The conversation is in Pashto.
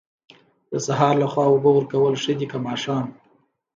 د سهار لخوا اوبه ورکول ښه دي که ماښام؟